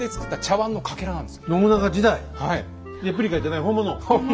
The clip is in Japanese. レプリカじゃない本物？